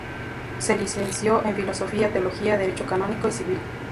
Se licenció en Filosofía, Teología, Derecho Canónico y Civil.